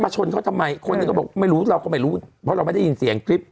ชนเขาทำไมคนหนึ่งก็บอกไม่รู้เราก็ไม่รู้เพราะเราไม่ได้ยินเสียงคลิป